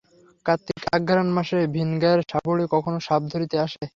কার্তিক আঘ্রান মাসে ভিনগাঁয়ের সাপুড়ে কখনো সাপ ধরিতে আসে।